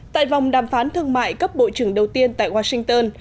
tại vòng đàm phán thương mại cấp bộ trưởng đầu tiên tại washington